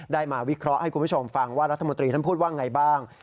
มาวิเคราะห์ให้คุณผู้ชมฟังว่ารัฐมนตรีท่านพูดว่าไงบ้าง